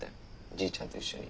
じいちゃんと一緒に。